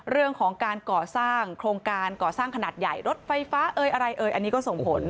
เรื่องของการก่อสร้างโครงการก่อสร้างขนาดใหญ่รถไฟฟ้าเอ่ยอะไรเอ่ยอันนี้ก็ส่งผล